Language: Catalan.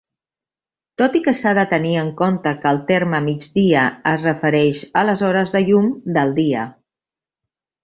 Tot i que s'ha de tenir en compte que el terme "mig dia" es refereix a les hores de llum del dia.